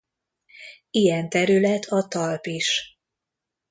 Ilyen terület a talp is.